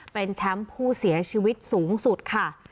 เป็นแชมป์ผู้เสียชีวิตสูงสุดค่ะ